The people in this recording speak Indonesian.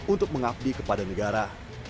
untuk mengabdi kepada negara